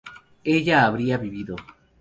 ella habría vivido